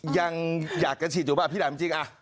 ยังอยากจะฉีดถูกหรือเปล่าพี่ด่ายเป็นจริงอ่ะ